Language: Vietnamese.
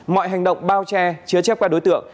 mọi hành động bao che chứa chép qua đối tượng